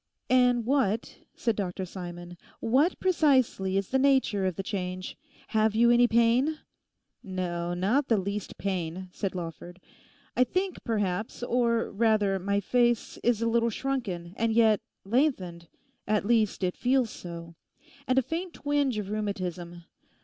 'And what,' said Dr Simon, 'what precisely is the nature of the change? Have you any pain?' 'No, not the least pain,' said Lawford; 'I think, perhaps, or rather my face is a little shrunken—and yet lengthened; at least it feels so; and a faint twinge of rheumatism.